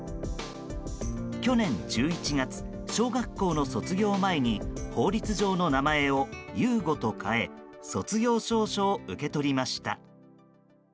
去年１１月、小学校の卒業前に法律上の名前を悠悟と変え卒業証書を受け取りました。